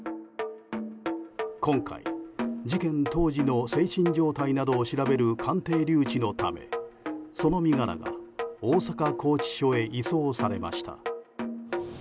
今回、事件当時の精神状態などを調べる鑑定留置のためその身柄が大阪拘置所へ移送されました。